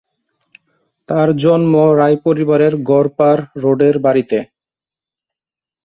তার জন্ম রায় পরিবারের গড়পাড় রোডের বাড়িতে।